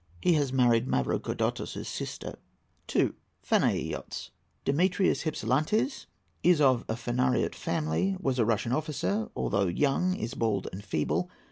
He has married Mavrocordatos's sister. II. Phanaeiots. [DEMETRIUS] HYPSILANTES.—Is of a Phanariot family; was a Russian officer; although young, is bald and feeble.